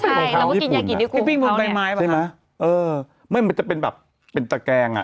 ใช่เราก็กินยากินใบไม้มาใช่ไหมเออไม่มันจะเป็นแบบเป็นตะแกงอ่ะ